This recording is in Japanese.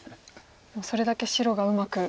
それだけ白がうまく。